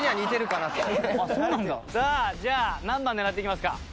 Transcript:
さあじゃあ何番狙っていきますか？